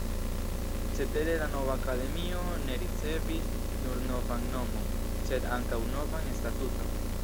Cetere la nova Akademio ne ricevis nur novan nomon, sed ankaŭ novan statuton.